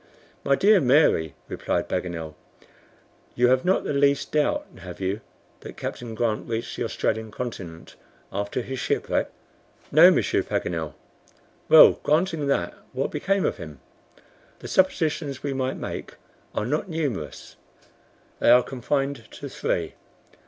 "My dear Mary," replied Paganel, "you have not the least doubt, have you, that Captain Grant reached the Australian continent after his shipwreck?" "No, Monsieur Paganel." "Well, granting that, what became of him? The suppositions we might make are not numerous. They are confined to three.